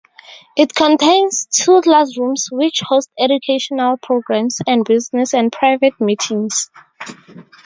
It contains two classrooms which host educational programs and business and private meetings.